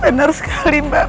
bener sekali mbak